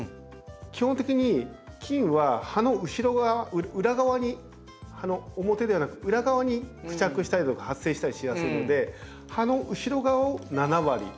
基本的に菌は葉の後ろ側裏側に葉の表ではなく裏側に付着したりとか発生したりしやすいので葉の後ろ側を７割。